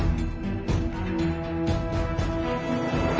พึ่งมันสิ